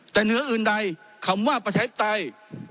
แต่เหนืออื่นใดคำว่าประชาธิปไตย